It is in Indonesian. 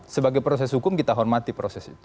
sebagai proses hukum kita hormati proses itu